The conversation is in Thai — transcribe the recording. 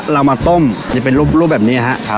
เรามาต้มจะเป็นรูปแบบนี้ครับ